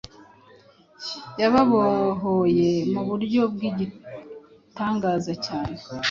yababohoye mu buryo bw’igitangaza cyane.